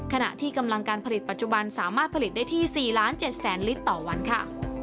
ขณะที่กำลังการผลิตปัจจุบันสามารถผลิตได้ที่๔๗๐๐ลิตรต่อวันค่ะ